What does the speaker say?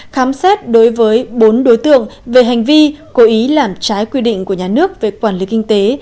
khám xét đối với bốn đối tượng về hành vi cố ý làm trái quy định của nhà nước về quản lý kinh tế